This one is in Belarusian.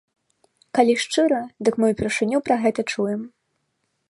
Калі шчыра, дык мы упершыню пра гэта чуем.